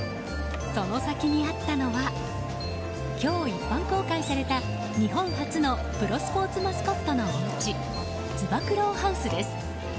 その先にあったのは今日、一般公開された日本初のプロスポーツマスコットのおうちつば九郎ハウ巣です。